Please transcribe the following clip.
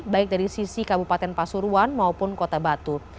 baik dari sisi kabupaten pasuruan maupun kota batu